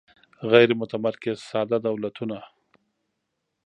غیر متمرکز ساده دولتونه